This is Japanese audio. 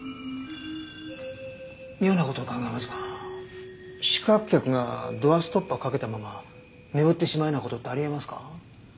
妙な事を伺いますが宿泊客がドアストッパーをかけたまま眠ってしまうような事ってあり得ますか？